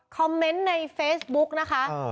คอมเมนต์ในเฟซบุ๊กนะคะ